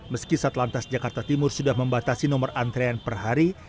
meski sat lantas jakarta timur sudah membatasi nomor antrian per hari